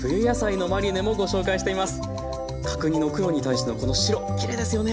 角煮の黒に対してのこの白きれいですよね。